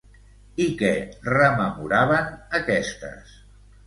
I què rememoraven aquestes?